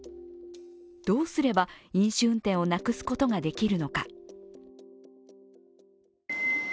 どうすれば飲酒運転をなくすことができるのか。